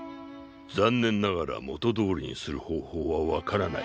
残念ながら元どおりにする方法は分からない。